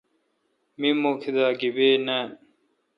می مکھدا گیبی نان۔